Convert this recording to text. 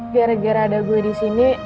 gara gara ada gue di sini